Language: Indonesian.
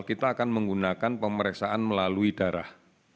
kita akan menggunakan pemeriksaan melalui darah